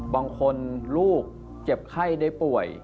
บางคนลูกเจ็บไข้ได้ป่วย